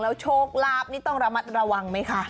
โชคลาภนี่ต้องระมัดระวังไหมคะ